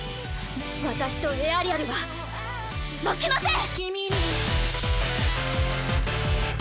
私とエアリアルは負けません！